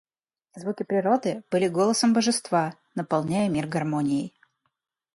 Звуки природы были голосом божества, наполняя мир гармонией.